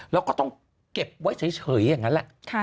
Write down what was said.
แล้วก็ต้องเก็บไว้เฉยอย่างนั้นแหละ